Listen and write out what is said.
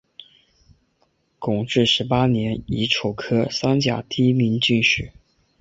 弘治十八年乙丑科三甲第一名进士。